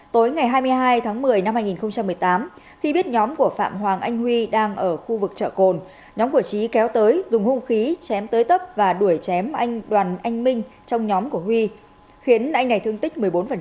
tối ngày hai mươi hai tháng một mươi năm hai nghìn một mươi tám khi biết nhóm của phạm hoàng anh huy đang ở khu vực chợ cồn nhóm của trí kéo tới dùng hung khí chém tới tấp và đuổi chém anh đoàn anh minh trong nhóm của huy khiến anh này thương tích một mươi bốn